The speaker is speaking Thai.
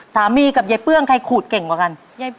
กับยายเปื้องใครขูดเก่งกว่ากัน